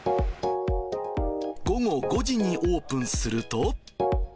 午後５時にオープンすると。